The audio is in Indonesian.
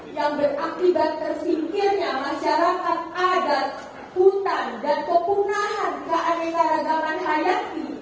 yang berakibat tersingkirnya masyarakat adat hutan dan kepungkahan keanekaragaman hayati